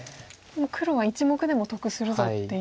黒は１目でも得するぞっていう。